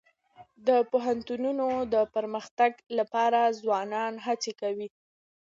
د پوهنتونونو د پرمختګ لپاره ځوانان هڅي کوي.